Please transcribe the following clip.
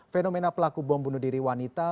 fenomena pelaku bom bunuh diri wanita